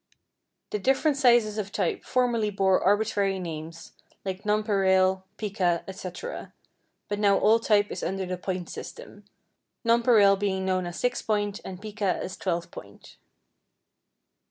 The different sizes of type formerly bore arbitrary names, like Nonpareil, Pica, etc., but now all type is under the point system, Nonpareil being known as 6 Point and Pica as 12 Point.